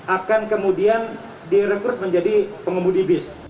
akan kemudian direkrut menjadi pengemudi bis